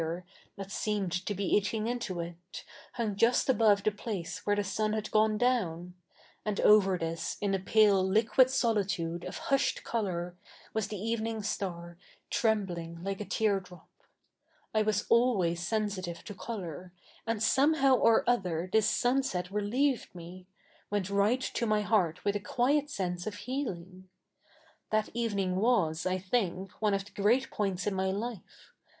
'e, that seemed to be eating into it, hu fig Just above the place whe7 e the su7t had gone dow7i ; a7id over this, iii a pale liquid solitude of hushed colour, was the eve7ii7ig star, trcTtibling like a tear drop. I was always se7isitive to colour ; UTtd so77iehow or other this su7iset relieved me — we7it right to my heart with a quiet se7ise of heali7ig. That eve7ii7ig was, I think, 07ie of the great points in 77iy life.